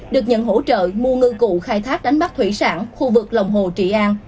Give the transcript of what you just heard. được nhận hỗ trợ mua ngư cụ khai thác đánh bắt thủy sản khu vực lòng hồ trị an